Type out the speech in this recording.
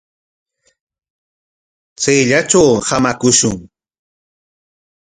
Kayllatraw hamakushun.